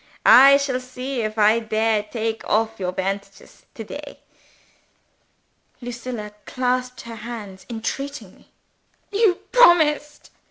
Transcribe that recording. I shall see if I dare take off your bandages to day." Lucilla clasped her hands entreatingly. "You promised!"